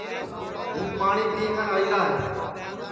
ہوں پاٹؔی پی کن آئیرا ہے